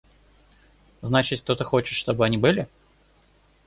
Значит – кто-то хочет, чтобы они были?